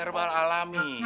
ini obat herbal alami